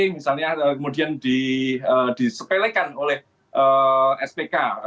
misalnya kemudian disepelekan oleh spk